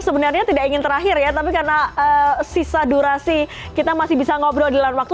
sebenarnya tidak ingin terakhir ya tapi karena sisa durasi kita masih bisa ngobrol di lain waktu